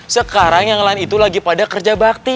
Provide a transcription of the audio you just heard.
sekarang yang lain itu lagi pada kerja bakti